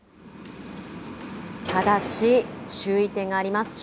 ただし、注意点があります。